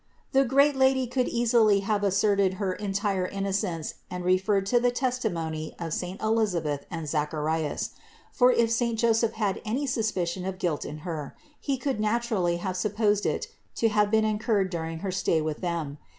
382. The grer.t Lady could easily have asserted her entire innocence and referred to the testimony of saint Elisabeth and Zacharias ; for, if saint Joseph had any sus picion of guilt in Her, he could naturally have supposed it to have been incurred during her stay with them.